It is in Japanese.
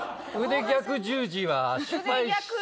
腕逆十字は失敗。